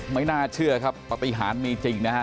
ไม่น่าเชื่อครับปฏิหารมีจริงนะฮะ